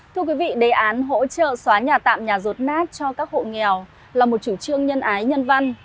thưa quý vị đề án hỗ trợ xóa nhà tạm nhà rột nát cho các hộ nghèo là một chủ trương nhân ái nhân văn